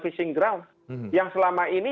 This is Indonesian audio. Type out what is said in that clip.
fishing ground yang selama ini